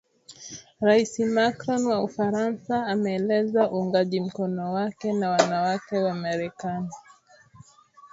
Rais Macron wa Ufaransa ameeleza uungaji mkono wake na wanawake wa Marekani